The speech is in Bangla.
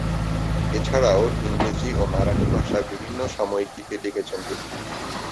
এছাড়াও, ইংরেজি ও মারাঠি ভাষার বিভিন্ন সাময়িকীতে লিখেছেন তিনি।